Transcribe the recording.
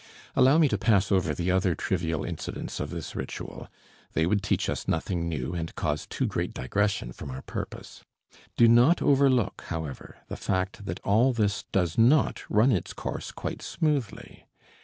Allow me to pass over the other trivial incidents of this ritual; they would teach us nothing new and cause too great digression from our purpose. Do not overlook, however, the fact that all this does not run its course quite smoothly.